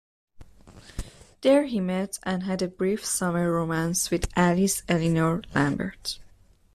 There he met and had a brief summer romance with Alice Elinor Lambert.